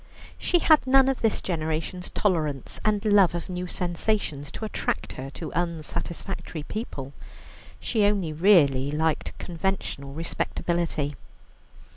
She had none of this generation's tolerance and love of new sensations to attract her to unsatisfactory people. She only really liked conventional respectability.